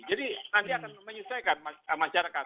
jadi nanti akan menyelesaikan masyarakat